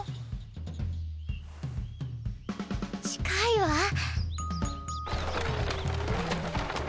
近いわ！